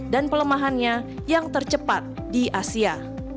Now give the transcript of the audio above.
dan pelemahannya yang tercepat di asia